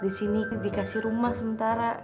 di sini dikasih rumah sementara